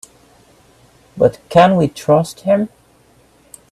But can we trust him?